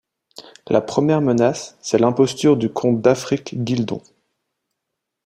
La première menace c'est l'imposture du comte d'Afrique Gildon.